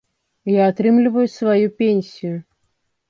Я атрымліваю сваю пенсію.